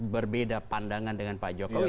berbeda pandangan dengan pak jokowi